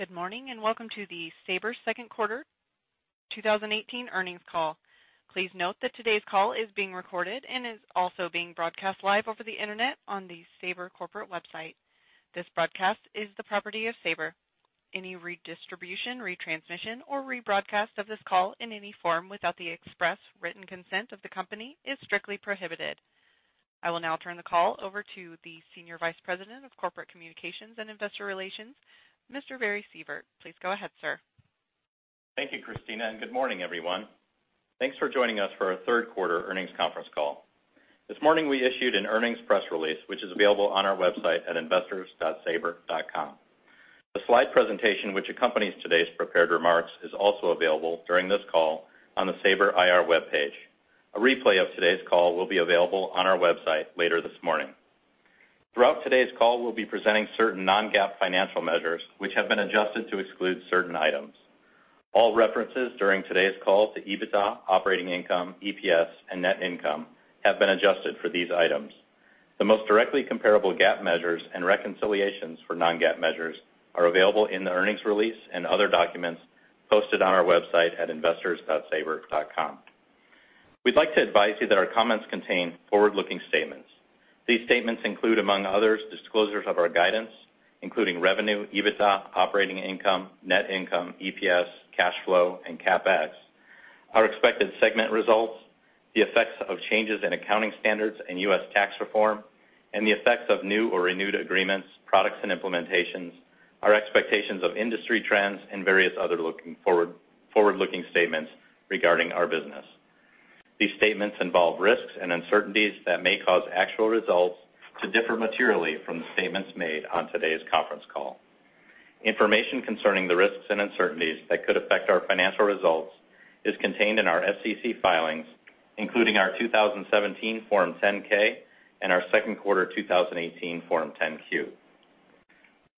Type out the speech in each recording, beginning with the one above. Good morning. Welcome to the Sabre second quarter 2018 earnings call. Please note that today's call is being recorded and is also being broadcast live over the internet on the Sabre corporate website. This broadcast is the property of Sabre. Any redistribution, retransmission, or rebroadcast of this call in any form without the express written consent of the company is strictly prohibited. I will now turn the call over to the Senior Vice President of Corporate Communications and Investor Relations, Mr. Barry Sievert. Please go ahead, sir. Thank you, Christina. Good morning, everyone. Thanks for joining us for our third quarter earnings conference call. This morning, we issued an earnings press release, which is available on our website at investors.sabre.com. The slide presentation, which accompanies today's prepared remarks, is also available during this call on the Sabre IR webpage. A replay of today's call will be available on our website later this morning. Throughout today's call, we'll be presenting certain non-GAAP financial measures which have been adjusted to exclude certain items. All references during today's call to EBITDA, operating income, EPS, and net income have been adjusted for these items. The most directly comparable GAAP measures and reconciliations for non-GAAP measures are available in the earnings release and other documents posted on our website at investors.sabre.com. We'd like to advise you that our comments contain forward-looking statements. These statements include, among others, disclosures of our guidance, including revenue, EBITDA, operating income, net income, EPS, cash flow, and CapEx, our expected segment results, the effects of changes in accounting standards and U.S. tax reform, and the effects of new or renewed agreements, products and implementations, our expectations of industry trends, and various other forward-looking statements regarding our business. These statements involve risks and uncertainties that may cause actual results to differ materially from the statements made on today's conference call. Information concerning the risks and uncertainties that could affect our financial results is contained in our SEC filings, including our 2017 Form 10-K and our second quarter 2018 Form 10-Q.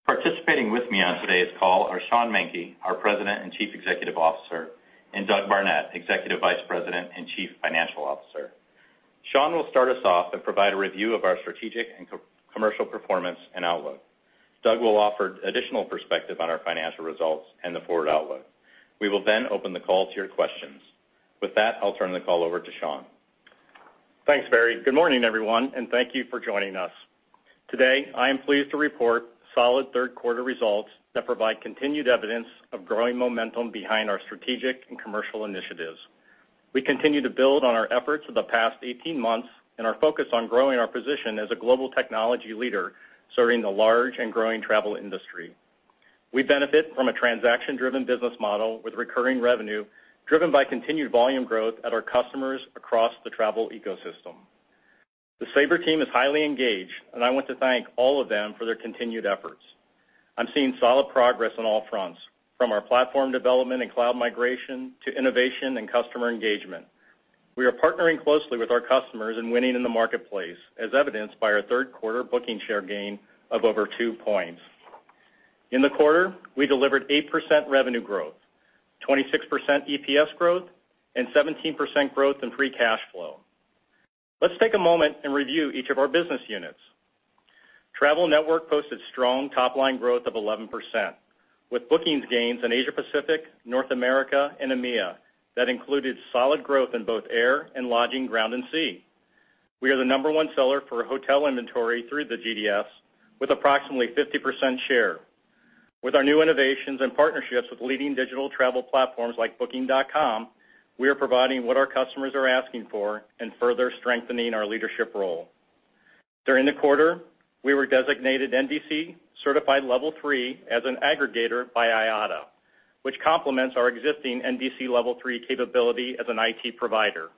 Participating with me on today's call are Sean Menke, our President and Chief Executive Officer, and Doug Barnett, Executive Vice President and Chief Financial Officer. Sean will start us off and provide a review of our strategic and commercial performance and outlook. Doug will offer additional perspective on our financial results and the forward outlook. We will then open the call to your questions. With that, I'll turn the call over to Sean. Thanks, Barry. Good morning, everyone. Thank you for joining us. Today, I am pleased to report solid third quarter results that provide continued evidence of growing momentum behind our strategic and commercial initiatives. We continue to build on our efforts of the past 18 months and are focused on growing our position as a global technology leader serving the large and growing travel industry. We benefit from a transaction-driven business model with recurring revenue driven by continued volume growth at our customers across the travel ecosystem. The Sabre team is highly engaged, and I want to thank all of them for their continued efforts. I'm seeing solid progress on all fronts, from our platform development and cloud migration to innovation and customer engagement. We are partnering closely with our customers and winning in the marketplace, as evidenced by our third quarter booking share gain of over two points. In the quarter, we delivered 8% revenue growth, 26% EPS growth, and 17% growth in free cash flow. Let's take a moment and review each of our business units. Travel Network posted strong top-line growth of 11%, with bookings gains in Asia Pacific, North America, and EMEA. That included solid growth in both air and lodging, ground and sea. We are the number 1 seller for hotel inventory through the GDS, with approximately 50% share. With our new innovations and partnerships with leading digital travel platforms like booking.com, we are providing what our customers are asking for and further strengthening our leadership role. During the quarter, we were designated NDC Certified Level 3 as an aggregator by IATA, which complements our existing NDC Level 3 capability as an IT provider.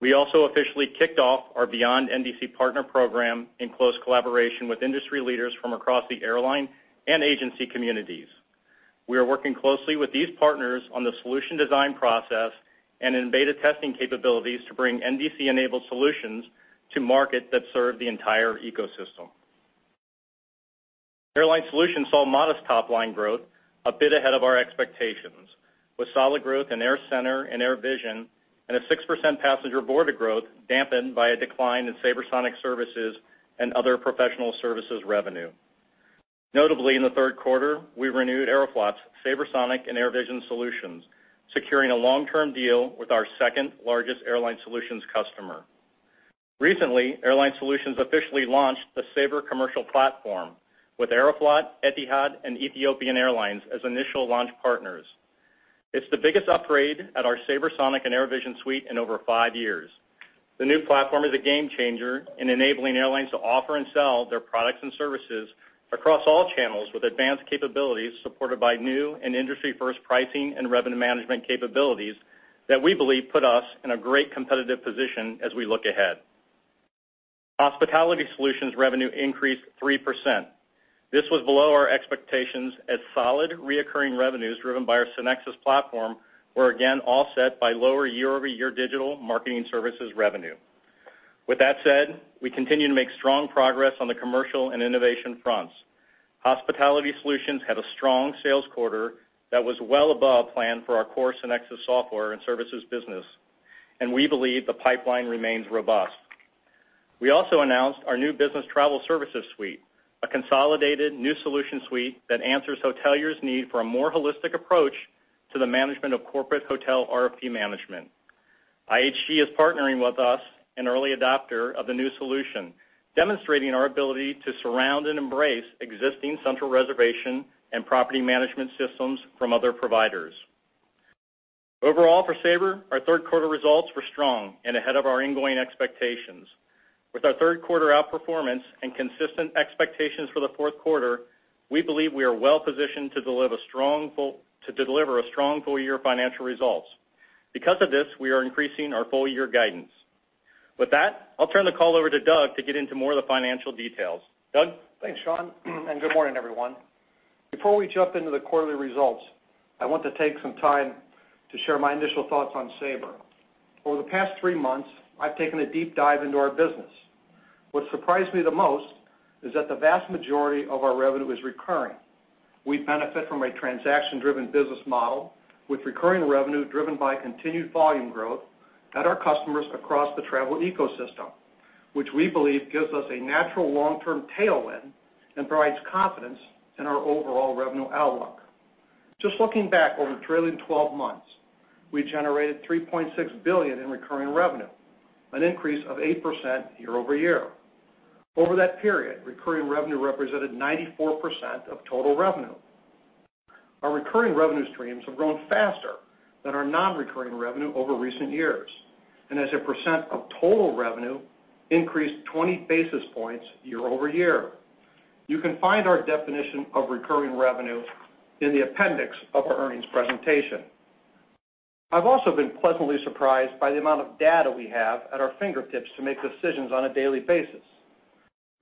We also officially kicked off our Beyond NDC partner program in close collaboration with industry leaders from across the airline and agency communities. We are working closely with these partners on the solution design process and in beta testing capabilities to bring NDC-enabled solutions to market that serve the entire ecosystem. Airline Solutions saw modest top-line growth a bit ahead of our expectations, with solid growth in AirCentre and AirVision and a 6% passenger board growth dampened by a decline in SabreSonic services and other professional services revenue. Notably, in the third quarter, we renewed Aeroflot's SabreSonic and AirVision solutions, securing a long-term deal with our second-largest Airline Solutions customer. Recently, Airline Solutions officially launched the Sabre commercial platform with Aeroflot, Etihad, and Ethiopian Airlines as initial launch partners. It's the biggest upgrade at our SabreSonic and AirVision suite in over five years. The new platform is a game changer in enabling airlines to offer and sell their products and services across all channels with advanced capabilities supported by new and industry-first pricing and revenue management capabilities that we believe put us in a great competitive position as we look ahead. Hospitality Solutions revenue increased 3%. This was below our expectations as solid recurring revenues driven by our SynXis platform were again offset by lower year-over-year digital marketing services revenue. With that said, we continue to make strong progress on the commercial and innovation fronts. Hospitality Solutions had a strong sales quarter that was well above plan for our core SynXis software and services business, and we believe the pipeline remains robust. We also announced our new Business Travel Services suite, a consolidated new solution suite that answers hoteliers' need for a more holistic approach to the management of corporate hotel RFP management. IHG is partnering with us, an early adopter of the new solution, demonstrating our ability to surround and embrace existing central reservation and property management systems from other providers. Overall, for Sabre, our third quarter results were strong and ahead of our ongoing expectations. With our third quarter outperformance and consistent expectations for the fourth quarter, we believe we are well-positioned to deliver strong full-year financial results. Because of this, we are increasing our full-year guidance. With that, I'll turn the call over to Doug to get into more of the financial details. Doug? Thanks, Sean. Good morning, everyone. Before we jump into the quarterly results, I want to take some time to share my initial thoughts on Sabre. Over the past three months, I've taken a deep dive into our business. What surprised me the most is that the vast majority of our revenue is recurring. We benefit from a transaction-driven business model with recurring revenue driven by continued volume growth at our customers across the travel ecosystem, which we believe gives us a natural long-term tailwind and provides confidence in our overall revenue outlook. Just looking back over the trailing 12 months, we generated $3.6 billion in recurring revenue, an increase of 8% year-over-year. Over that period, recurring revenue represented 94% of total revenue. Our recurring revenue streams have grown faster than our non-recurring revenue over recent years, as a percent of total revenue, increased 20 basis points year-over-year. You can find our definition of recurring revenue in the appendix of our earnings presentation. I've also been pleasantly surprised by the amount of data we have at our fingertips to make decisions on a daily basis.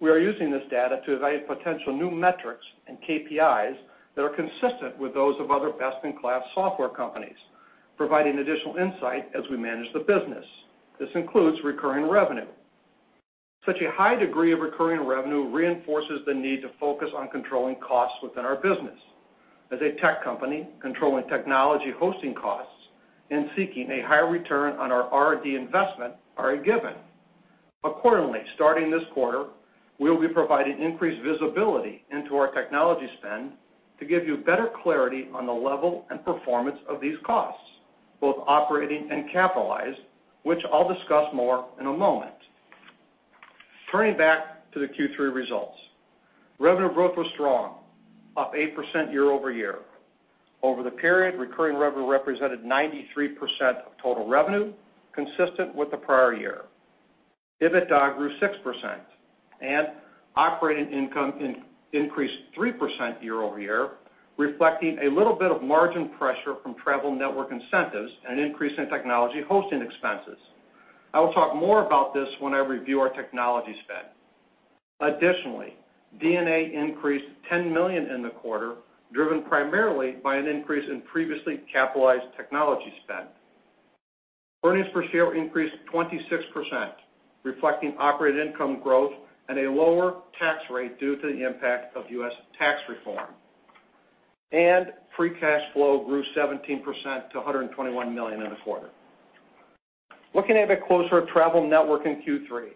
We are using this data to evaluate potential new metrics and KPIs that are consistent with those of other best-in-class software companies, providing additional insight as we manage the business. This includes recurring revenue. Such a high degree of recurring revenue reinforces the need to focus on controlling costs within our business. As a tech company, controlling technology hosting costs and seeking a higher return on our R&D investment are a given. Accordingly, starting this quarter, we'll be providing increased visibility into our technology spend to give you better clarity on the level and performance of these costs, both operating and capitalized, which I'll discuss more in a moment. Turning back to the Q3 results. Revenue growth was strong, up 8% year-over-year. Over the period, recurring revenue represented 93% of total revenue, consistent with the prior year. EBITDA grew 6%, and operating income increased 3% year-over-year, reflecting a little bit of margin pressure from Travel Network incentives and an increase in technology hosting expenses. I will talk more about this when I review our technology spend. Additionally, D&A increased $10 million in the quarter, driven primarily by an increase in previously capitalized technology spend. Earnings per share increased 26%, reflecting operating income growth and a lower tax rate due to the impact of U.S. tax reform. Free cash flow grew 17% to $121 million in the quarter. Looking a bit closer at Travel Network in Q3.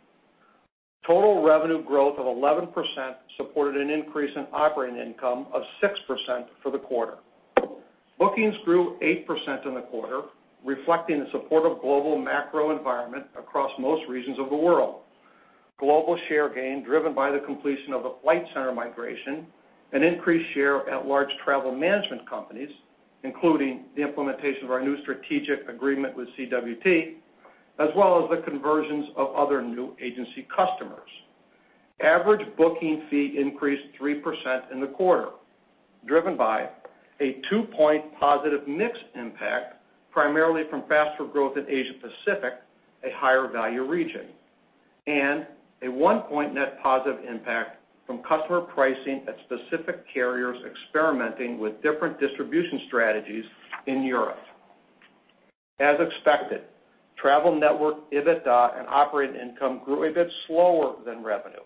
Total revenue growth of 11% supported an increase in operating income of 6% for the quarter. Bookings grew 8% in the quarter, reflecting the support of global macro environment across most regions of the world. Global share gain driven by the completion of the Flight Centre migration and increased share at large travel management companies, including the implementation of our new strategic agreement with CWT, as well as the conversions of other new agency customers. Average booking fee increased 3% in the quarter, driven by a two-point positive mix impact, primarily from faster growth in Asia Pacific, a higher value region, and a one-point net positive impact from customer pricing at specific carriers experimenting with different distribution strategies in Europe. As expected, Travel Network EBITDA and operating income grew a bit slower than revenue.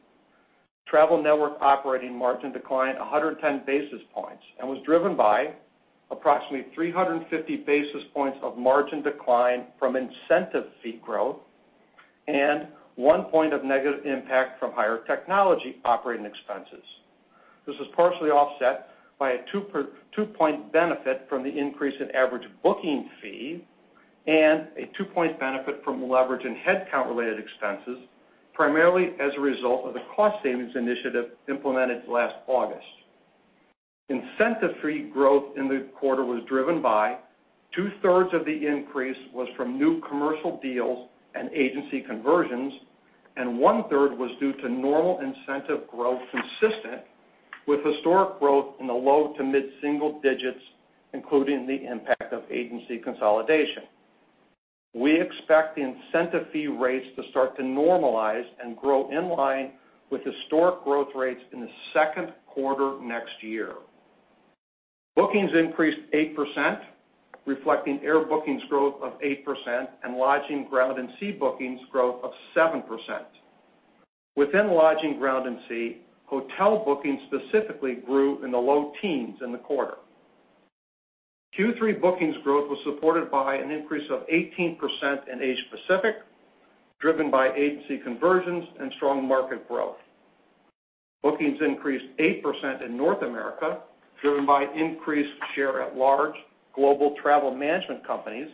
Travel Network operating margin declined 110 basis points and was driven by approximately 350 basis points of margin decline from incentive fee growth and one point of negative impact from higher technology operating expenses. This was partially offset by a two-point benefit from the increase in average booking fee and a two-point benefit from leverage in headcount-related expenses, primarily as a result of the cost savings initiative implemented last August. Incentive fee growth in the quarter was driven by two-thirds of the increase was from new commercial deals and agency conversions, and one-third was due to normal incentive growth consistent with historic growth in the low to mid-single digits, including the impact of agency consolidation. We expect the incentive fee rates to start to normalize and grow in line with historic growth rates in the second quarter next year. Bookings increased 8%, reflecting air bookings growth of 8% and lodging ground and sea bookings growth of 7%. Within lodging ground and sea, hotel bookings specifically grew in the low teens in the quarter. Q3 bookings growth was supported by an increase of 18% in Asia Pacific, driven by agency conversions and strong market growth. Bookings increased 8% in North America, driven by increased share at large global travel management companies,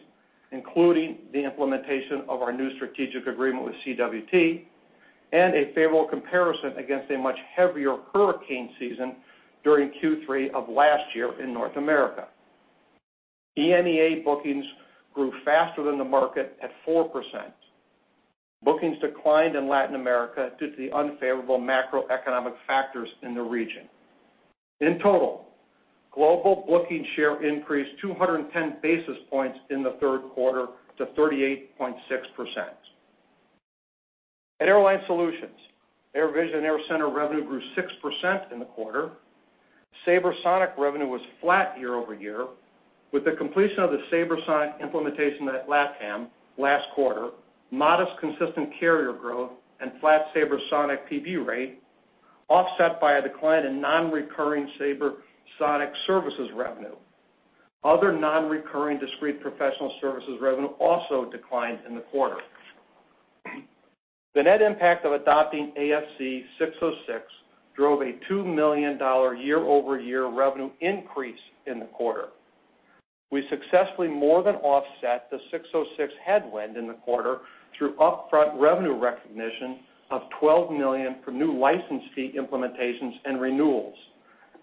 including the implementation of our new strategic agreement with CWT and a favorable comparison against a much heavier hurricane season during Q3 of last year in North America. EMEA bookings grew faster than the market at 4%. Bookings declined in Latin America due to the unfavorable macroeconomic factors in the region. In total, global booking share increased 210 basis points in the third quarter to 38.6%. At Airline Solutions, AirVision and AirCentre revenue grew 6% in the quarter. SabreSonic revenue was flat year-over-year with the completion of the SabreSonic implementation at LATAM last quarter, modest consistent carrier growth, and flat SabreSonic PB rate, offset by a decline in non-recurring SabreSonic services revenue. Other non-recurring discrete professional services revenue also declined in the quarter. The net impact of adopting ASC 606 drove a $2 million year-over-year revenue increase in the quarter. We successfully more than offset the 606 headwind in the quarter through upfront revenue recognition of $12 million from new license fee implementations and renewals,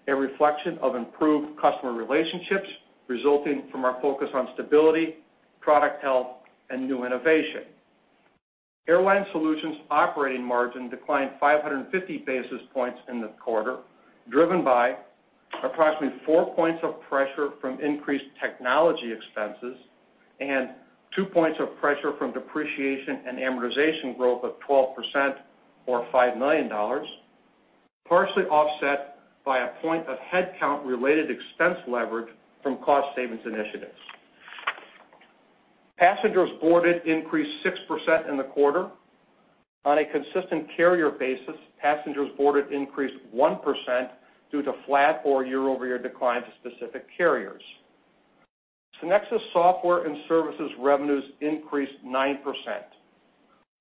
a reflection of improved customer relationships resulting from our focus on stability, product health, and new innovation. Airline Solutions operating margin declined 550 basis points in the quarter, driven by approximately 4 points of pressure from increased technology expenses and 2 points of pressure from depreciation and amortization growth of 12% or $5 million, partially offset by 1 point of headcount-related expense leverage from cost savings initiatives. Passengers boarded increased 6% in the quarter. On a consistent carrier basis, passengers boarded increased 1% due to flat or year-over-year declines to specific carriers. SynXis software and services revenues increased 9%,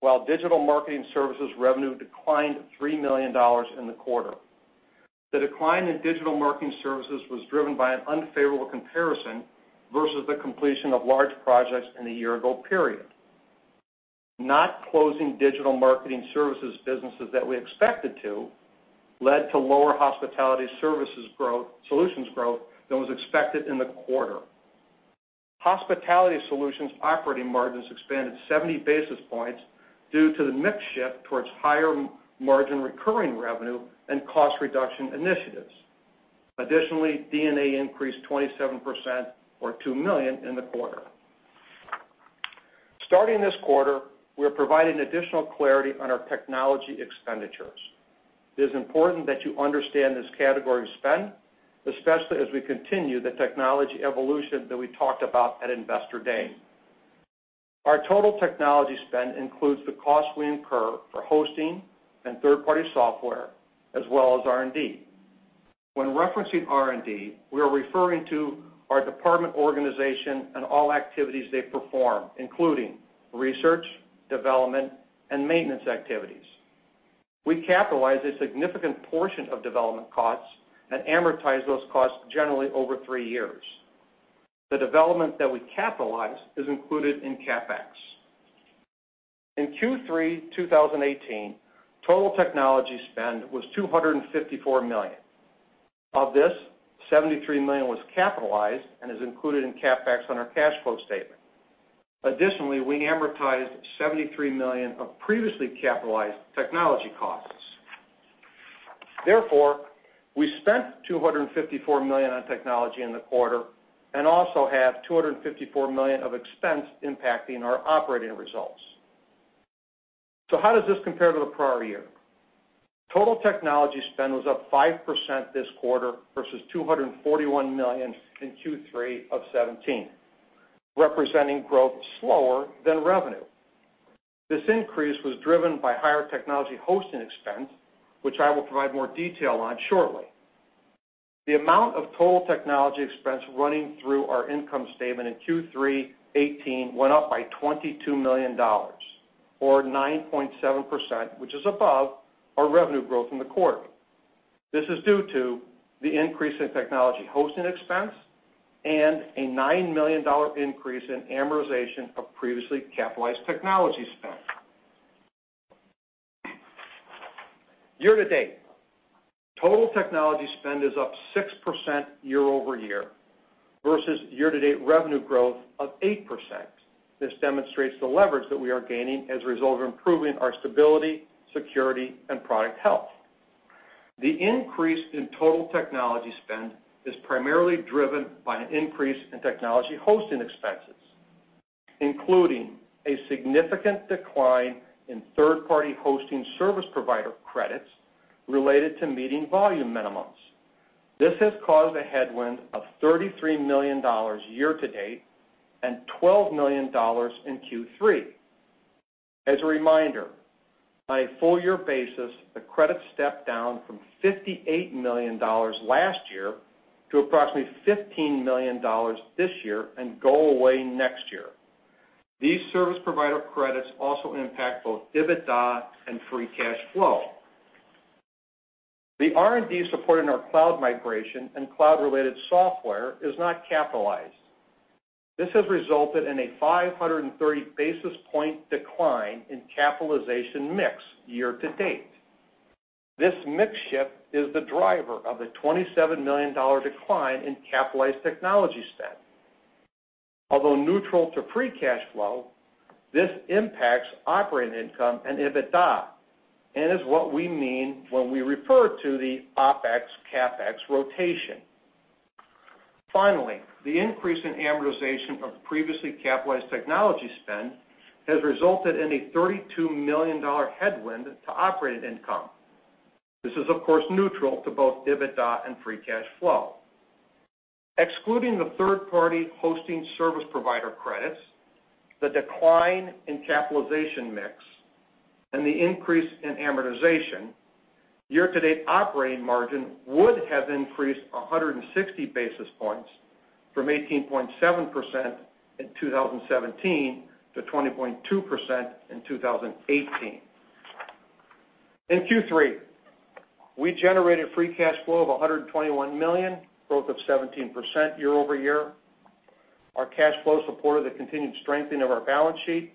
while digital marketing services revenue declined $3 million in the quarter. The decline in digital marketing services was driven by an unfavorable comparison versus the completion of large projects in the year-ago period. Not closing digital marketing services businesses that we expected to led to lower Hospitality Solutions growth than was expected in the quarter. Hospitality Solutions operating margins expanded 70 basis points due to the mix shift towards higher margin recurring revenue and cost reduction initiatives. Additionally, D&A increased 27% or $2 million in the quarter. Starting this quarter, we're providing additional clarity on our technology expenditures. It is important that you understand this category of spend, especially as we continue the technology evolution that we talked about at Investor Day. Our total technology spend includes the cost we incur for hosting and third-party software, as well as R&D. When referencing R&D, we are referring to our department organization and all activities they perform, including research, development, and maintenance activities. We capitalize a significant portion of development costs and amortize those costs generally over 3 years. The development that we capitalize is included in CapEx. In Q3 2018, total technology spend was $254 million. Of this, $73 million was capitalized and is included in CapEx on our cash flow statement. Additionally, we amortized $73 million of previously capitalized technology costs. We spent $254 million on technology in the quarter and also have $254 million of expense impacting our operating results. How does this compare to the prior year? Total technology spend was up 5% this quarter versus $241 million in Q3 2017, representing growth slower than revenue. This increase was driven by higher technology hosting expense, which I will provide more detail on shortly. The amount of total technology expense running through our income statement in Q3 2018 went up by $22 million or 9.7%, which is above our revenue growth in the quarter. This is due to the increase in technology hosting expense and a $9 million increase in amortization of previously capitalized technology spend. Year-to-date, total technology spend is up 6% year-over-year versus year-to-date revenue growth of 8%. This demonstrates the leverage that we are gaining as a result of improving our stability, security, and product health. The increase in total technology spend is primarily driven by an increase in technology hosting expenses, including a significant decline in third-party hosting service provider credits related to meeting volume minimums. This has caused a headwind of $33 million year-to-date and $12 million in Q3. As a reminder, on a full year basis, the credit stepped down from $58 million last year to approximately $15 million this year and go away next year. These service provider credits also impact both EBITDA and free cash flow. The R&D support in our cloud migration and cloud-related software is not capitalized. This has resulted in a 530 basis point decline in capitalization mix year-to-date. This mix shift is the driver of the $27 million decline in capitalized technology spend. Although neutral to free cash flow, this impacts operating income and EBITDA and is what we mean when we refer to the OpEx-CapEx rotation. Finally, the increase in amortization of previously capitalized technology spend has resulted in a $32 million headwind to operating income. This is, of course, neutral to both EBITDA and free cash flow. Excluding the third-party hosting service provider credits, the decline in capitalization mix, and the increase in amortization, year-to-date operating margin would have increased 160 basis points from 18.7% in 2017 to 20.2% in 2018. In Q3, we generated free cash flow of $121 million, growth of 17% year-over-year. Our cash flow supported the continued strengthening of our balance sheet,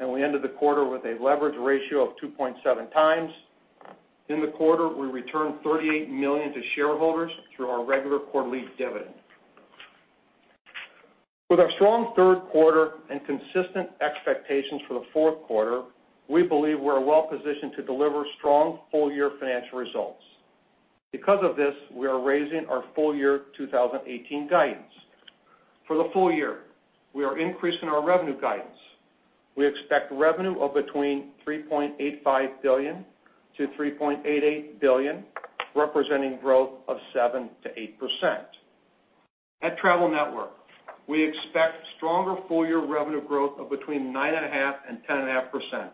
and we ended the quarter with a leverage ratio of 2.7 times. In the quarter, we returned $38 million to shareholders through our regular quarterly dividend. With our strong third quarter and consistent expectations for the fourth quarter, we believe we're well-positioned to deliver strong full-year financial results. Because of this, we are raising our full-year 2018 guidance. For the full year, we are increasing our revenue guidance. We expect revenue of between $3.85 billion-$3.88 billion, representing growth of 7%-8%. At Travel Network, we expect stronger full-year revenue growth of between 9.5%-10.5%,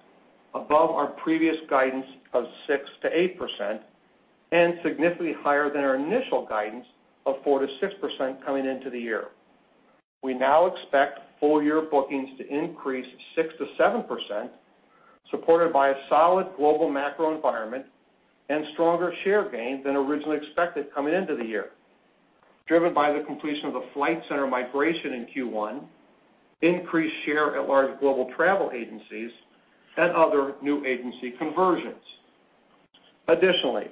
above our previous guidance of 6%-8% and significantly higher than our initial guidance of 4%-6% coming into the year. We now expect full-year bookings to increase 6%-7%, supported by a solid global macro environment and stronger share gain than originally expected coming into the year, driven by the completion of the Flight Centre migration in Q1, increased share at large global travel agencies, and other new agency conversions. Additionally,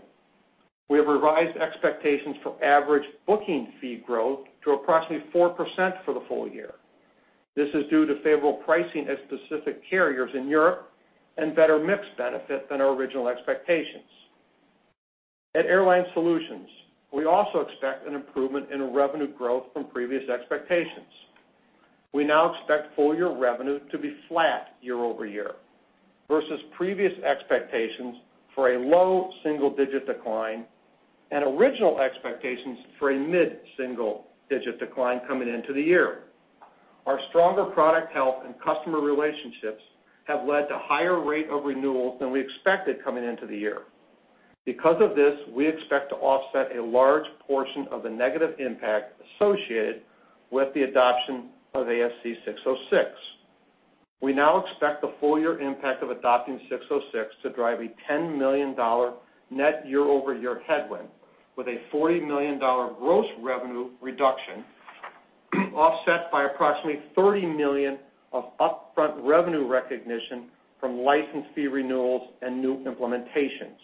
we have revised expectations for average booking fee growth to approximately 4% for the full year. This is due to favorable pricing at specific carriers in Europe and better mix benefit than our original expectations. At Airline Solutions, we also expect an improvement in revenue growth from previous expectations. We now expect full-year revenue to be flat year-over-year, versus previous expectations for a low single-digit decline and original expectations for a mid-single-digit decline coming into the year. Our stronger product health and customer relationships have led to higher rate of renewals than we expected coming into the year. Because of this, we expect to offset a large portion of the negative impact associated with the adoption of ASC 606. We now expect the full-year impact of adopting 606 to drive a $10 million net year-over-year headwind with a $40 million gross revenue reduction offset by approximately $30 million of upfront revenue recognition from license fee renewals and new implementations.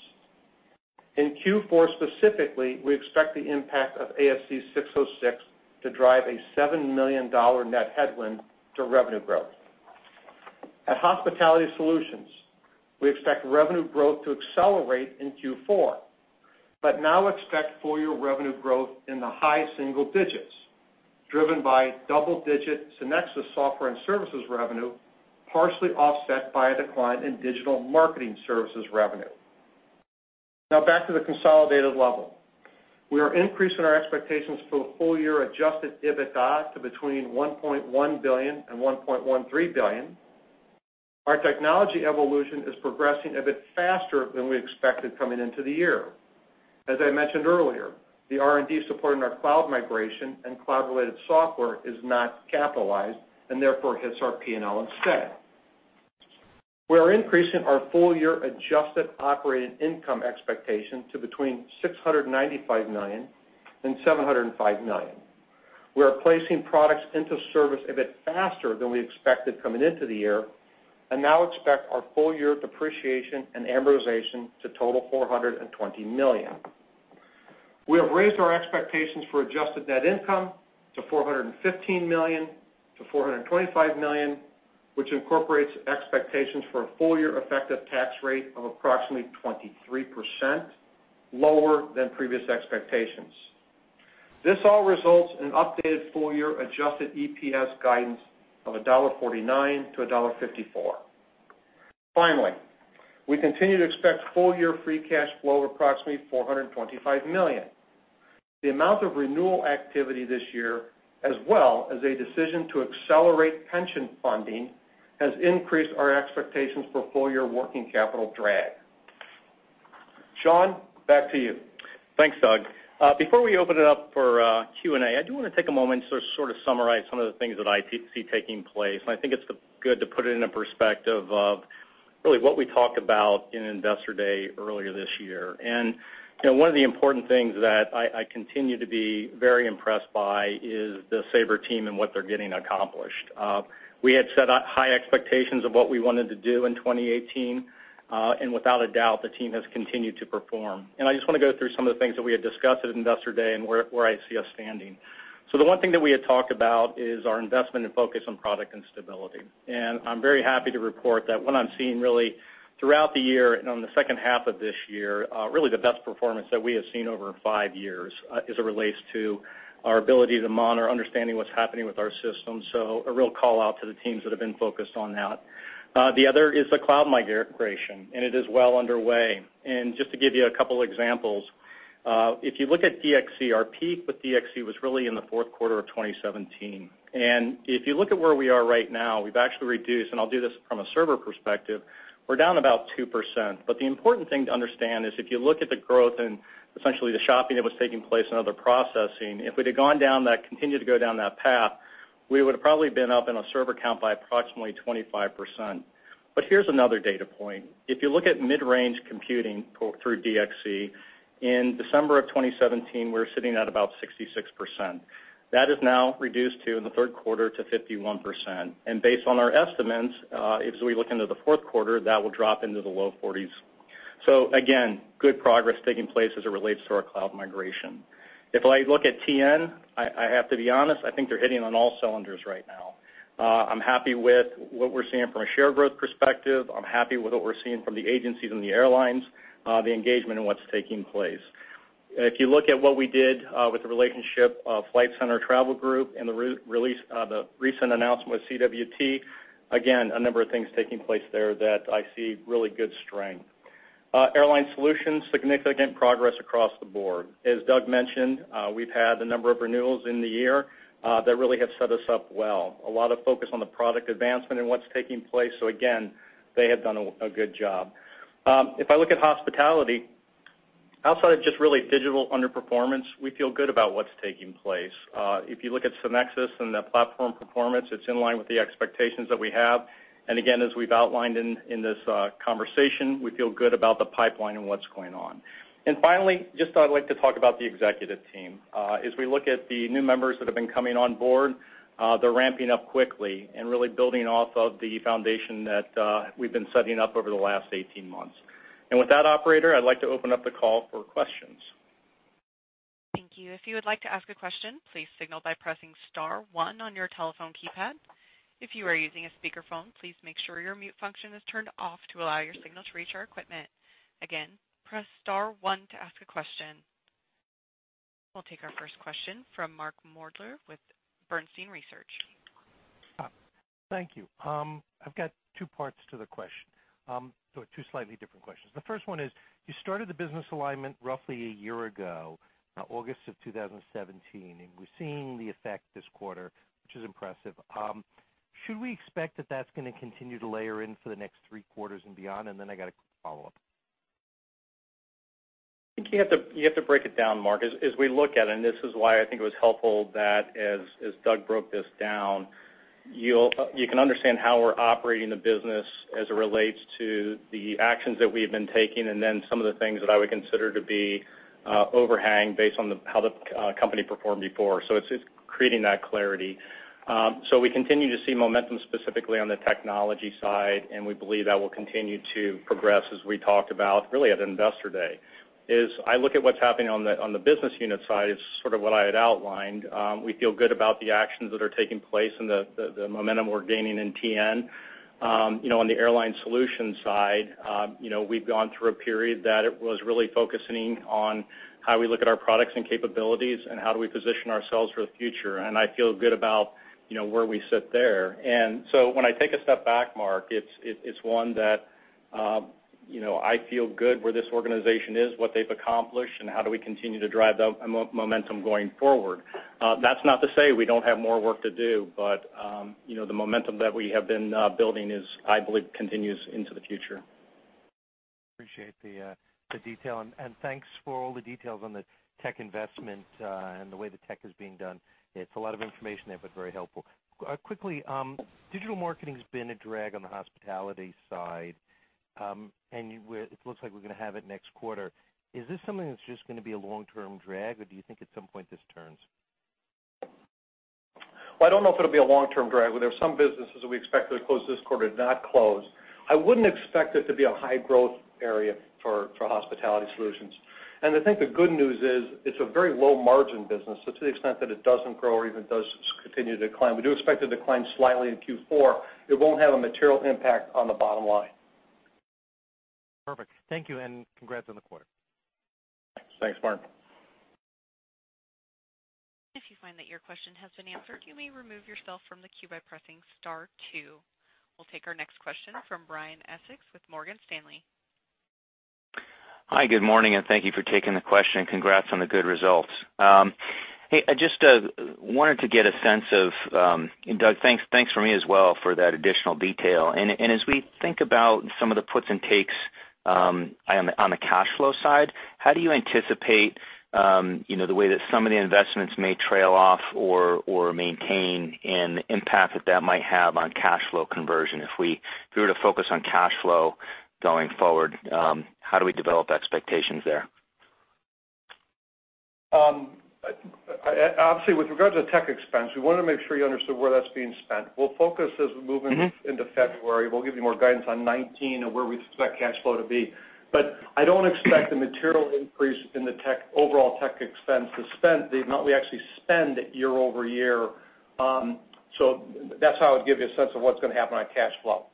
In Q4 specifically, we expect the impact of ASC 606 to drive a $7 million net headwind to revenue growth. At Hospitality Solutions, we expect revenue growth to accelerate in Q4, but now expect full-year revenue growth in the high single-digits, driven by double-digit SynXis software and services revenue, partially offset by a decline in digital marketing services revenue. Now back to the consolidated level. We are increasing our expectations for the full-year adjusted EBITDA to between $1.1 billion and $1.13 billion. Our technology evolution is progressing a bit faster than we expected coming into the year. As I mentioned earlier, the R&D supporting our cloud migration and cloud-related software is not capitalized and therefore hits our P&L instead. We are increasing our full-year adjusted operating income expectation to between $695 million and $705 million. We are placing products into service a bit faster than we expected coming into the year and now expect our full-year depreciation and amortization to total $420 million. We have raised our expectations for adjusted net income to $415 million to $425 million, which incorporates expectations for a full-year effective tax rate of approximately 23%, lower than previous expectations. This all results in updated full-year adjusted EPS guidance of $1.49 to $1.54. We continue to expect full-year free cash flow of approximately $425 million. The amount of renewal activity this year, as well as a decision to accelerate pension funding, has increased our expectations for full-year working capital drag. Sean, back to you. Thanks, Doug. Before we open it up for Q&A, I do want to take a moment to sort of summarize some of the things that I see taking place. I think it's good to put it in a perspective of really what we talked about in Investor Day earlier this year. One of the important things that I continue to be very impressed by is the Sabre team and what they're getting accomplished. We had set high expectations of what we wanted to do in 2018, and without a doubt, the team has continued to perform. I just want to go through some of the things that we had discussed at Investor Day and where I see us standing. The one thing that we had talked about is our investment and focus on product and stability. I'm very happy to report that what I'm seeing really throughout the year and on the second half of this year, really the best performance that we have seen over five years, as it relates to our ability to monitor, understanding what's happening with our system. A real call-out to the teams that have been focused on that. The other is the cloud migration, and it is well underway. Just to give you a couple examples, if you look at DXC, our peak with DXC was really in the fourth quarter of 2017. If you look at where we are right now, we've actually reduced, and I'll do this from a server perspective, we're down about 2%. The important thing to understand is if you look at the growth and essentially the shopping that was taking place and other processing, if we'd have continued to go down that path, we would've probably been up in a server count by approximately 25%. Here's another data point. If you look at mid-range computing through DXC, in December of 2017, we were sitting at about 66%. That is now reduced to, in the third quarter, to 51%. Based on our estimates, as we look into the fourth quarter, that will drop into the low 40s. Again, good progress taking place as it relates to our cloud migration. If I look at TN, I have to be honest, I think they're hitting on all cylinders right now. I'm happy with what we're seeing from a share growth perspective. I'm happy with what we're seeing from the agencies and the airlines, the engagement, and what's taking place. If you look at what we did with the relationship of Flight Centre Travel Group and the recent announcement with CWT, again, a number of things taking place there that I see really good strength. Airline Solutions, significant progress across the board. As Doug mentioned, we've had a number of renewals in the year that really have set us up well. A lot of focus on the product advancement and what's taking place. Again, they have done a good job. If I look at Hospitality Solutions, outside of just really digital underperformance, we feel good about what's taking place. If you look at SynXis and the platform performance, it's in line with the expectations that we have. Again, as we've outlined in this conversation, we feel good about the pipeline and what's going on. Finally, just I'd like to talk about the executive team. As we look at the new members that have been coming on board, they're ramping up quickly and really building off of the foundation that we've been setting up over the last 18 months. With that, operator, I'd like to open up the call for questions. Thank you. If you would like to ask a question, please signal by pressing star 1 on your telephone keypad. If you are using a speakerphone, please make sure your mute function is turned off to allow your signal to reach our equipment. Again, press star 1 to ask a question. We'll take our first question from Mark Moerdler with Bernstein Research. Thank you. I've got two parts to the question, so two slightly different questions. The first one is, you started the business alignment roughly a year ago, August of 2017, and we're seeing the effect this quarter, which is impressive. Should we expect that that's going to continue to layer in for the next three quarters and beyond? I got a follow-up. I think you have to break it down, Mark. As we look at it, and this is why I think it was helpful that as Doug broke this down, you can understand how we're operating the business as it relates to the actions that we have been taking, and then some of the things that I would consider to be overhang based on how the company performed before. It's creating that clarity. We continue to see momentum specifically on the technology side, and we believe that will continue to progress as we talked about, really at Investor Day. As I look at what's happening on the business unit side is sort of what I had outlined. We feel good about the actions that are taking place and the momentum we're gaining in TN. On the Airline Solutions side, we've gone through a period that it was really focusing on how we look at our products and capabilities, and how do we position ourselves for the future. I feel good about where we sit there. When I take a step back, Mark, it's one that I feel good where this organization is, what they've accomplished, and how do we continue to drive the momentum going forward. That's not to say we don't have more work to do, the momentum that we have been building I believe continues into the future. Appreciate the detail, thanks for all the details on the tech investment and the way the tech is being done. It's a lot of information there, very helpful. Quickly, digital marketing's been a drag on the Hospitality Solutions side, it looks like we're going to have it next quarter. Is this something that's just going to be a long-term drag, or do you think at some point this turns? I don't know if it'll be a long-term drag. There were some businesses that we expected to close this quarter that did not close. I wouldn't expect it to be a high-growth area for Hospitality Solutions. I think the good news is it's a very low-margin business, so to the extent that it doesn't grow or even does continue to decline, we do expect it to decline slightly in Q4, it won't have a material impact on the bottom line. Perfect. Thank you, congrats on the quarter. Thanks, Mark. If you find that your question has been answered, you may remove yourself from the queue by pressing star two. We'll take our next question from Brian Essex with Morgan Stanley. Hi, good morning. Thank you for taking the question, and congrats on the good results. Hey, I just wanted to get a sense of. Doug, thanks from me as well for that additional detail. As we think about some of the puts and takes on the cash flow side, how do you anticipate the way that some of the investments may trail off or maintain, and the impact that that might have on cash flow conversion? If we were to focus on cash flow going forward, how do we develop expectations there? Obviously, with regards to tech expense, we wanted to make sure you understood where that's being spent. We'll focus as we move into February. We'll give you more guidance on 2019 and where we expect cash flow to be. I don't expect a material increase in the overall tech expense to spend the amount we actually spend year-over-year. That's how I would give you a sense of what's going to happen on cash flow.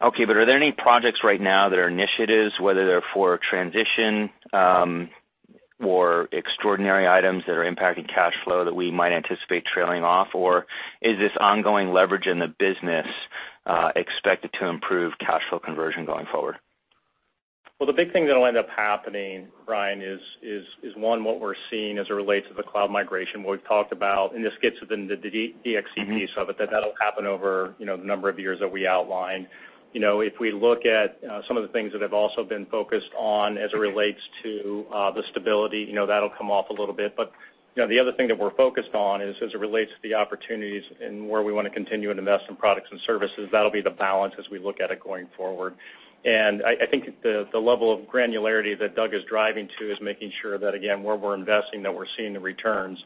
Okay, are there any projects right now that are initiatives, whether they're for transition or extraordinary items that are impacting cash flow that we might anticipate trailing off? Is this ongoing leverage in the business expected to improve cash flow conversion going forward? Well, the big thing that'll end up happening, Brian, is one, what we're seeing as it relates to the cloud migration, what we've talked about. This gets within the DXC piece of it, that that'll happen over the number of years that we outlined. If we look at some of the things that have also been focused on as it relates to the stability, that'll come off a little bit. The other thing that we're focused on is as it relates to the opportunities and where we want to continue to invest in products and services, that'll be the balance as we look at it going forward. I think the level of granularity that Doug is driving to is making sure that, again, where we're investing, that we're seeing the returns.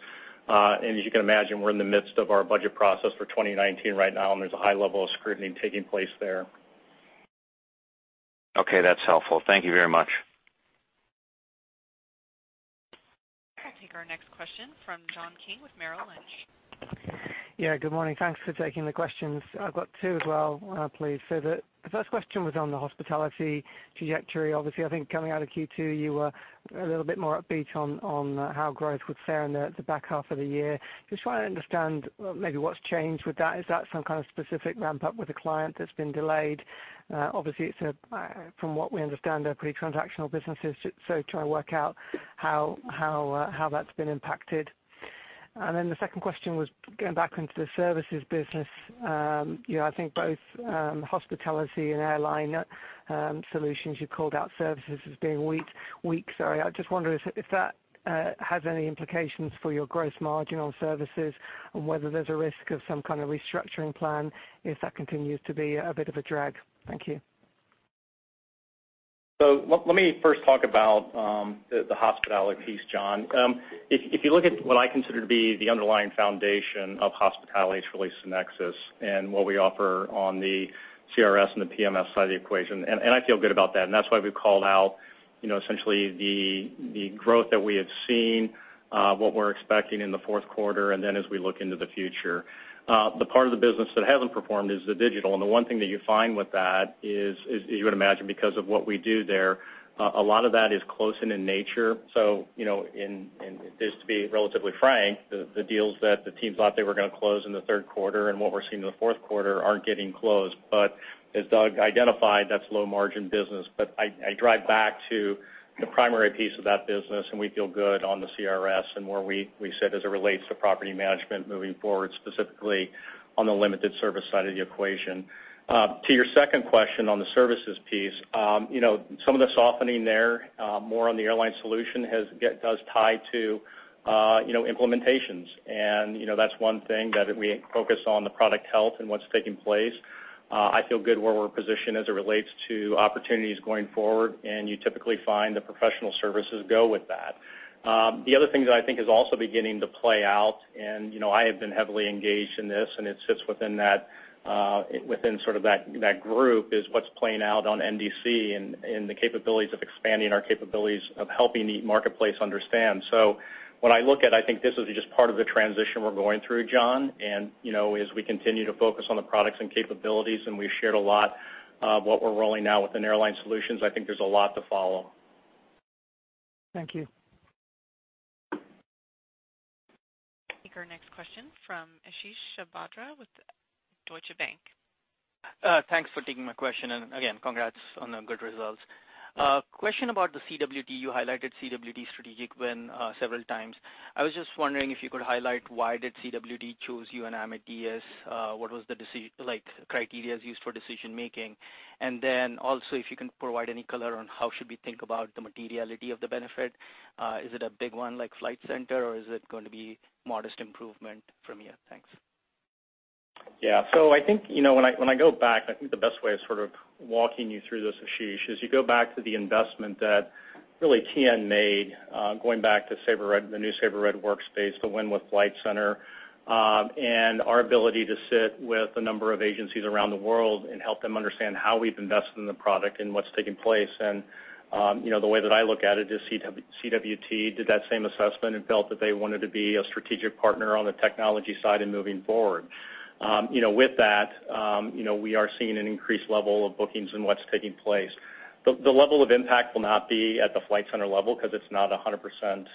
As you can imagine, we're in the midst of our budget process for 2019 right now, and there's a high level of scrutiny taking place there. Okay, that's helpful. Thank you very much. I'll take our next question from John King with Merrill Lynch. Yeah, good morning. Thanks for taking the questions. I've got two as well, please. The first question was on the hospitality trajectory. Obviously, I think coming out of Q2, you were a little bit more upbeat on how growth would fare in the back half of the year. Just trying to understand maybe what's changed with that. Is that some kind of specific ramp-up with a client that's been delayed? Obviously, from what we understand, they're pretty transactional businesses, so trying to work out how that's been impacted. The second question was going back into the services business. I think both hospitality and Airline Solutions, you called out services as being weak. I just wonder if that has any implications for your gross margin on services, and whether there's a risk of some kind of restructuring plan if that continues to be a bit of a drag. Thank you. Let me first talk about the hospitality piece, John. If you look at what I consider to be the underlying foundation of Hospitality, it's really SynXis and what we offer on the CRS and the PMS side of the equation. I feel good about that, and that's why we've called out essentially the growth that we had seen, what we're expecting in the fourth quarter, and as we look into the future. The part of the business that hasn't performed is the digital, and the one thing that you find with that is, as you would imagine, because of what we do there, a lot of that is closing in nature. Just to be relatively frank, the deals that the team thought they were going to close in the third quarter and what we're seeing in the fourth quarter aren't getting closed. As Doug identified, that's low-margin business. I drive back to the primary piece of that business, and we feel good on the CRS and where we sit as it relates to property management moving forward, specifically on the limited service side of the equation. To your second question on the services piece, some of the softening there, more on the Airline Solutions, does tie to implementations. That's one thing that we focus on the product health and what's taking place. I feel good where we're positioned as it relates to opportunities going forward, and you typically find the professional services go with that. The other thing that I think is also beginning to play out, and I have been heavily engaged in this, and it sits within sort of that group is what's playing out on NDC and the capabilities of expanding our capabilities of helping the marketplace understand. When I look at it, I think this is just part of the transition we're going through, John. As we continue to focus on the products and capabilities, and we've shared a lot of what we're rolling out within Airline Solutions, I think there's a lot to follow. Thank you. Take our next question from Ashish Sabadra with Deutsche Bank. Thanks for taking my question. Again, congrats on the good results. A question about the CWT. You highlighted CWT strategic win several times. I was just wondering if you could highlight why did CWT choose you and Amadeus? What was the criteria used for decision-making? Then also, if you can provide any color on how should we think about the materiality of the benefit? Is it a big one like Flight Centre, or is it going to be modest improvement from here? Thanks. Yeah. I think when I go back, I think the best way of sort of walking you through this, Ashish, is you go back to the investment that really TN made, going back to the new Sabre Red Workspace, the win with Flight Centre, and our ability to sit with a number of agencies around the world and help them understand how we've invested in the product and what's taking place. The way that I look at it is CWT did that same assessment and felt that they wanted to be a strategic partner on the technology side in moving forward. With that we are seeing an increased level of bookings and what's taking place. The level of impact will not be at the Flight Centre level because it's not 100%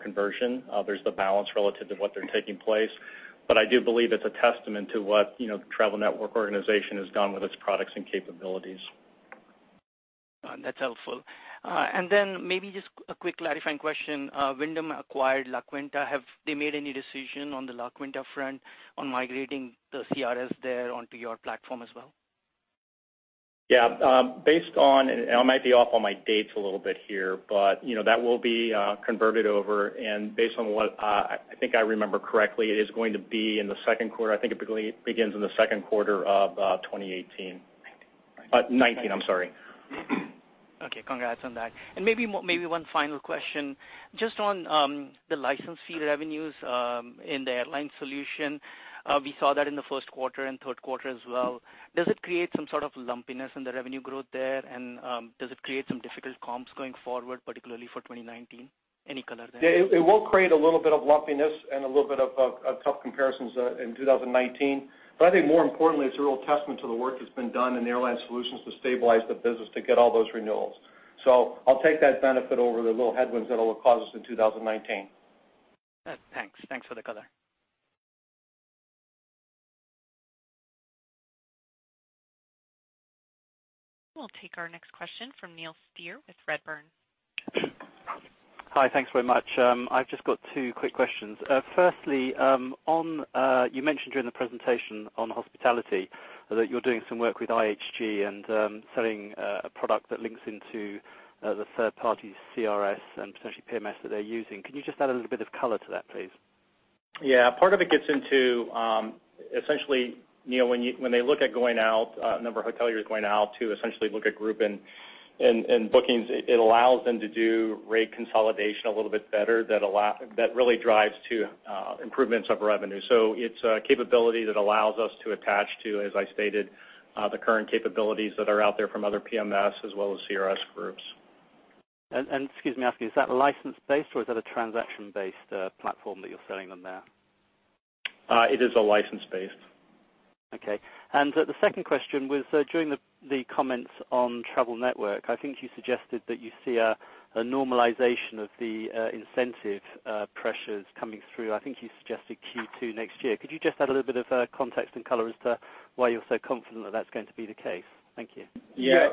conversion. There's the balance relative to what they're taking place. I do believe it's a testament to what the Travel Network organization has done with its products and capabilities. That's helpful. Then maybe just a quick clarifying question. Wyndham acquired La Quinta. Have they made any decision on the La Quinta front on migrating the CRS there onto your platform as well? Yeah. Based on, and I might be off on my dates a little bit here, but that will be converted over. Based on what I think I remember correctly, it is going to be in the second quarter. I think it begins in the second quarter of 2018. Right. 2019, I'm sorry. Okay. Congrats on that. Maybe one final question. Just on the license fee revenues in the Airline Solutions. We saw that in the first quarter and third quarter as well. Does it create some sort of lumpiness in the revenue growth there, and does it create some difficult comps going forward, particularly for 2019? Any color there? It will create a little bit of lumpiness and a little bit of tough comparisons in 2019. I think more importantly, it's a real testament to the work that's been done in the Airline Solutions to stabilize the business to get all those renewals. I'll take that benefit over the little headwinds that it'll cause us in 2019. Thanks. Thanks for the color. We'll take our next question from Neil Steer with Redburn. Hi. Thanks very much. I've just got two quick questions. Firstly, you mentioned during the presentation on hospitality that you're doing some work with IHG and selling a product that links into the third-party CRS and potentially PMS that they're using. Can you just add a little bit of color to that, please? Part of it gets into essentially, Neil, when a number of hoteliers going out to essentially look at group and bookings, it allows them to do rate consolidation a little bit better that really drives to improvements of revenue. It's a capability that allows us to attach to, as I stated, the current capabilities that are out there from other PMS as well as CRS groups. Excuse me asking, is that license-based or is that a transaction-based platform that you're selling them there? It is a license-based. Okay. The second question was, during the comments on Travel Network, I think you suggested that you see a normalization of the incentive pressures coming through. I think you suggested Q2 next year. Could you just add a little bit of context and color as to why you're so confident that that's going to be the case? Thank you. Yeah.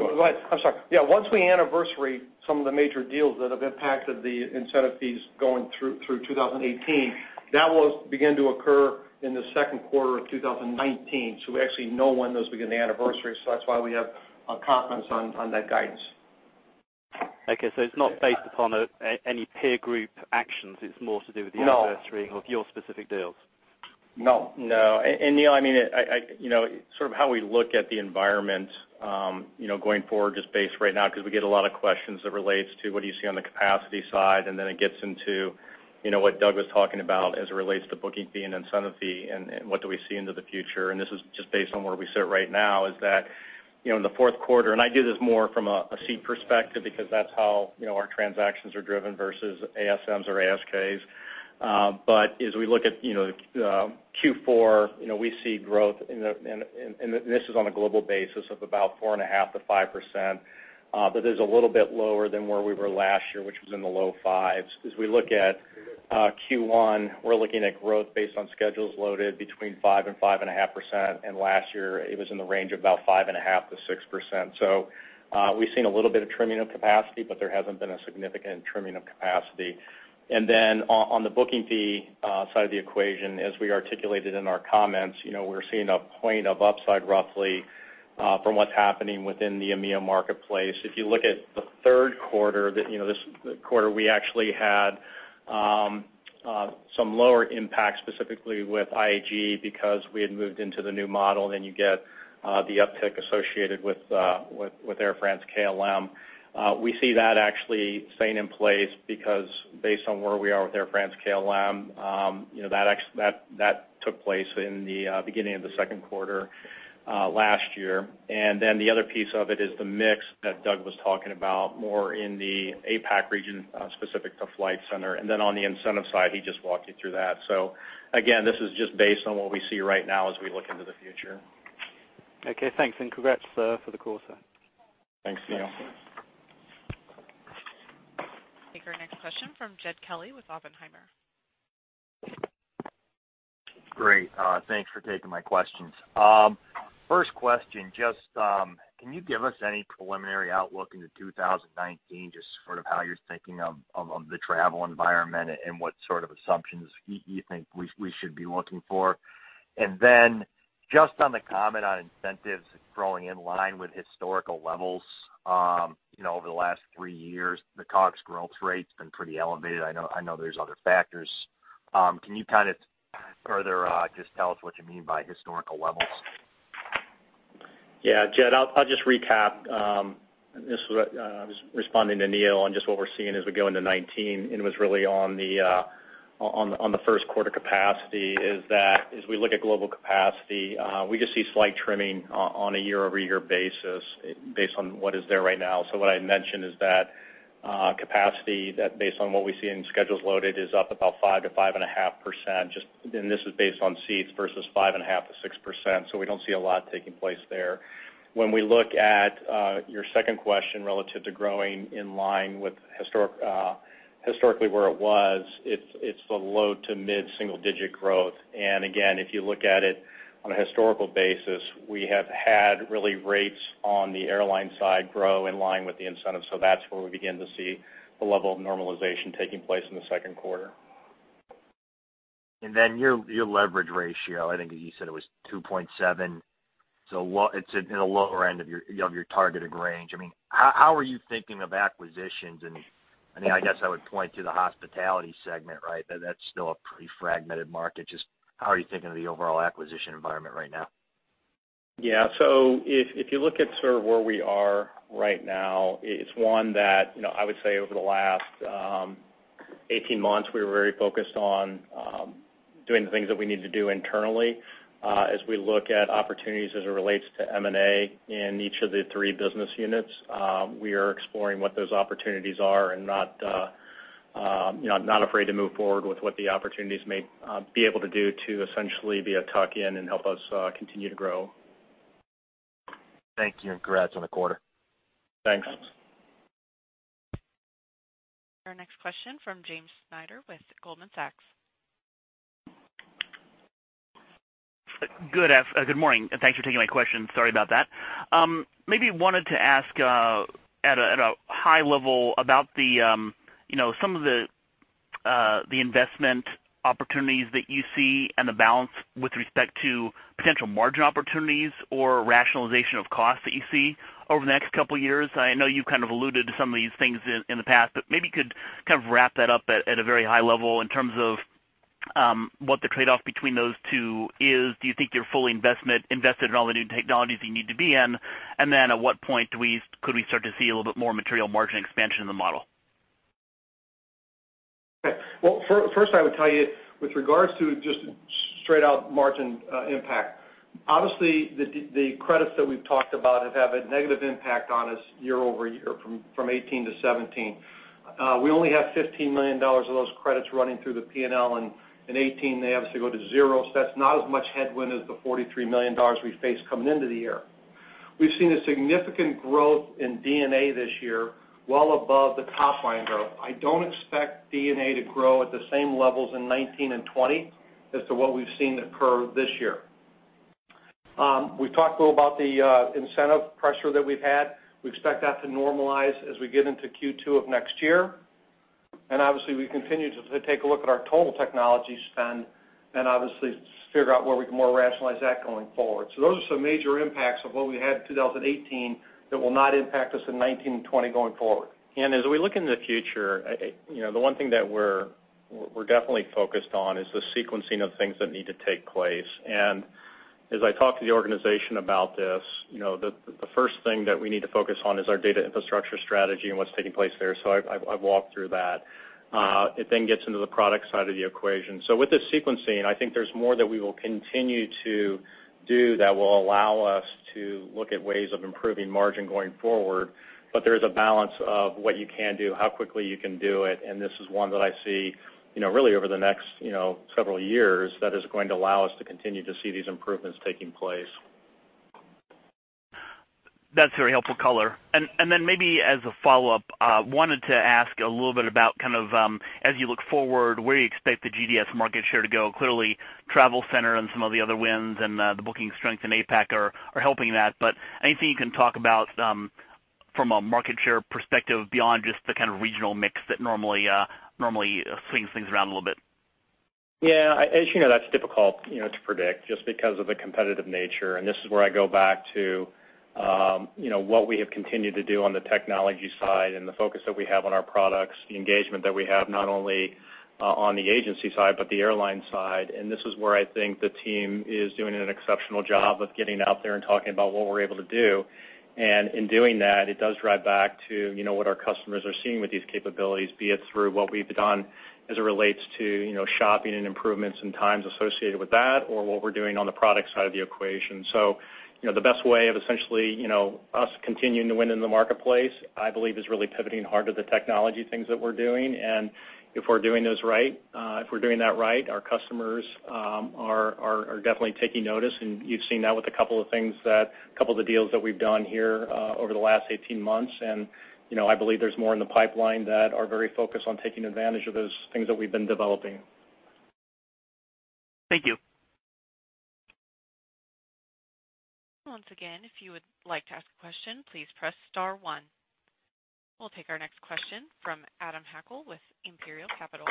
I'm sorry. Yeah. Once we anniversary some of the major deals that have impacted the incentive fees going through 2018, that will begin to occur in the second quarter of 2019. We actually know when those begin to anniversary, so that's why we have a confidence on that guidance. Okay. It's not based upon any peer group actions. It's more to do with the No anniversary of your specific deals. No. Neil, sort of how we look at the environment, going forward, just based right now, because we get a lot of questions that relates to what do you see on the capacity side, then it gets into what Doug was talking about as it relates to booking fee and incentive fee, what do we see into the future. This is just based on where we sit right now, is that in the fourth quarter, and I view this more from a seat perspective, because that's how our transactions are driven versus ASMs or ASKs. As we look at Q4, we see growth, and this is on a global basis, of about 4.5%-5%, but that's a little bit lower than where we were last year, which was in the low 5s. As we look at Q1, we're looking at growth based on schedules loaded between 5% and 5.5%, and last year it was in the range of about 5.5%-6%. We've seen a little bit of trimming of capacity, but there hasn't been a significant trimming of capacity. On the booking fee side of the equation, as we articulated in our comments, we're seeing a point of upside roughly from what's happening within the EMEA marketplace. If you look at the third quarter, this quarter, we actually had some lower impact specifically with IAG because we had moved into the new model, then you get the uptick associated with Air France-KLM. We see that actually staying in place because based on where we are with Air France-KLM, that took place in the beginning of the second quarter last year. The other piece of it is the mix that Doug was talking about more in the APAC region, specific to Flight Centre. On the incentive side, he just walked you through that. Again, this is just based on what we see right now as we look into the future. Okay. Thanks, and congrats for the quarter. Thanks, Neil. Take our next question from Jed Kelly with Oppenheimer. Great. Thanks for taking my questions. First question, just can you give us any preliminary outlook into 2019, just sort of how you're thinking of the travel environment and what sort of assumptions you think we should be looking for? Just on the comment on incentives growing in line with historical levels over the last three years, the COGS growth rate has been pretty elevated. I know there's other factors. Can you kind of further just tell us what you mean by historical levels? Yeah. Jed, I'll just recap. I was responding to Neil on just what we're seeing as we go into 2019, and it was really on the first quarter capacity, is that as we look at global capacity, we just see slight trimming on a year-over-year basis based on what is there right now. What I mentioned is that capacity that based on what we see in schedules loaded is up about 5%-5.5%, and this is based on seats versus 5.5%-6%, so we don't see a lot taking place there. When we look at your second question relative to growing in line with historically where it was, it's the low to mid single-digit growth. Again, if you look at it on a historical basis, we have had really rates on the airline side grow in line with the incentive. That's where we begin to see the level of normalization taking place in the second quarter. Your leverage ratio, I think you said it was 2.7, so it's in the lower end of your targeted range. How are you thinking of acquisitions? I guess I would point to the Hospitality Solutions segment, right? That's still a pretty fragmented market. Just how are you thinking of the overall acquisition environment right now? If you look at sort of where we are right now, it's one that, I would say over the last 18 months, we were very focused on doing the things that we need to do internally. As we look at opportunities as it relates to M&A in each of the three business units, we are exploring what those opportunities are and not afraid to move forward with what the opportunities may be able to do to essentially be a tuck-in and help us continue to grow. Thank you, and congrats on the quarter. Thanks. Our next question from James Schneider with Goldman Sachs. Good morning, and thanks for taking my question. Sorry about that. Maybe wanted to ask, at a high level about some of the investment opportunities that you see and the balance with respect to potential margin opportunities or rationalization of costs that you see over the next couple of years. I know you've kind of alluded to some of these things in the past, maybe you could kind of wrap that up at a very high level in terms of what the trade-off between those two is. Do you think you're fully invested in all the new technologies you need to be in? At what point could we start to see a little bit more material margin expansion in the model? Well, first I would tell you with regards to just straight out margin impact, obviously the credits that we've talked about have had a negative impact on us year-over-year from 2018 to 2017. We only have $15 million of those credits running through the P&L in 2018. They obviously go to zero, so that's not as much headwind as the $43 million we faced coming into the year. We've seen a significant growth in D&A this year, well above the top-line growth. I don't expect D&A to grow at the same levels in 2019 and 2020 as to what we've seen occur this year. We've talked a little about the incentive pressure that we've had. We expect that to normalize as we get into Q2 of next year. Obviously, we continue to take a look at our total technology spend and obviously figure out where we can more rationalize that going forward. Those are some major impacts of what we had in 2018 that will not impact us in 2019 and 2020 going forward. As we look into the future, the one thing that we're definitely focused on is the sequencing of things that need to take place. As I talk to the organization about this, the first thing that we need to focus on is our data infrastructure strategy and what's taking place there. I've walked through that. It then gets into the product side of the equation. With the sequencing, I think there's more that we will continue to do that will allow us to look at ways of improving margin going forward. There's a balance of what you can do, how quickly you can do it, and this is one that I see really over the next several years that is going to allow us to continue to see these improvements taking place. That's very helpful color. Then maybe as a follow-up, wanted to ask a little bit about kind of, as you look forward, where you expect the GDS market share to go. Clearly, Flight Centre and some of the other wins and the booking strength in APAC are helping that. Anything you can talk about from a market share perspective beyond just the kind of regional mix that normally swings things around a little bit? Yeah. As you know, that's difficult to predict just because of the competitive nature. This is where I go back to what we've continued to do on the technology side and the focus that we have on our products, the engagement that we have not only on the agency side but the airline side. This is where I think the team is doing an exceptional job of getting out there and talking about what we're able to do. In doing that, it does drive back to what our customers are seeing with these capabilities, be it through what we've done as it relates to shopping and improvements and times associated with that or what we're doing on the product side of the equation. The best way of essentially us continuing to win in the marketplace, I believe, is really pivoting hard to the technology things that we're doing. If we're doing that right, our customers are definitely taking notice, and you've seen that with a couple of the deals that we've done here over the last 18 months. I believe there's more in the pipeline that are very focused on taking advantage of those things that we've been developing. Thank you. Once again, if you would like to ask a question, please press star one. We'll take our next question from Adam Hackel with Imperial Capital.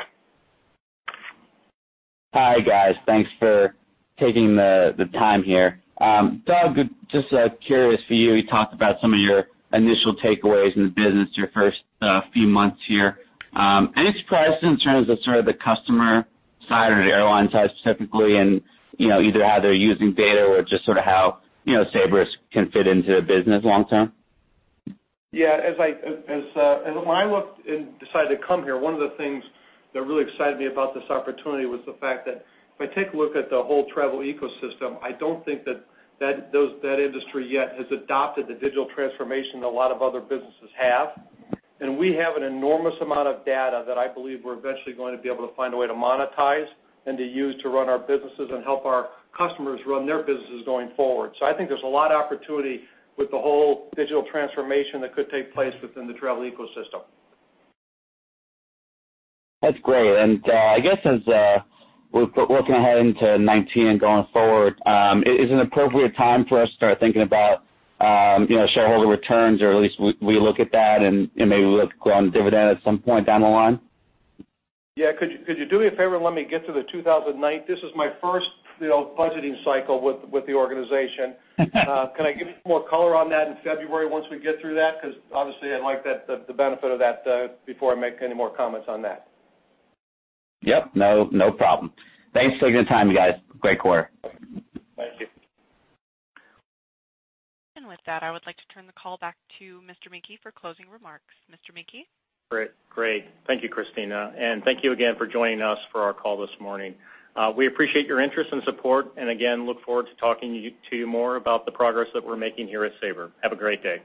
Hi, guys. Thanks for taking the time here. Doug, just curious for you talked about some of your initial takeaways in the business your first few months here. Any surprises in terms of sort of the customer side or the airline side specifically, and either how they're using data or just sort of how Sabre can fit into the business long term? Yeah. When I looked and decided to come here, one of the things that really excited me about this opportunity was the fact that if I take a look at the whole travel ecosystem, I don't think that that industry yet has adopted the digital transformation a lot of other businesses have. We have an enormous amount of data that I believe we're eventually going to be able to find a way to monetize and to use to run our businesses and help our customers run their businesses going forward. I think there's a lot of opportunity with the whole digital transformation that could take place within the travel ecosystem. That's great. I guess as we're looking ahead into 2019 going forward, is it an appropriate time for us to start thinking about shareholder returns, or at least we look at that and maybe look on dividend at some point down the line? Yeah. Could you do me a favor and let me get to the 2019? This is my first budgeting cycle with the organization. Can I give you more color on that in February once we get through that? Obviously, I'd like the benefit of that before I make any more comments on that. Yep. No problem. Thanks for your time, you guys. Great quarter. Thank you. With that, I would like to turn the call back to Mr. Menke for closing remarks. Mr. Menke? Great. Thank you, Christina. Thank you again for joining us for our call this morning. We appreciate your interest and support, and again, look forward to talking to you more about the progress that we're making here at Sabre. Have a great day.